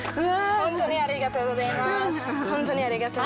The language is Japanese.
ホントにありがとうございます。